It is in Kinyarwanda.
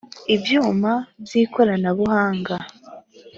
ibyuma by’ ikoranabuhanga